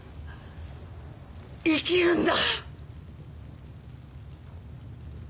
生きるんだ！